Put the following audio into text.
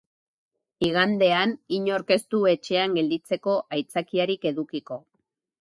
Igandean, inork ez du etxean gelditzeko aitzakiarik edukiko.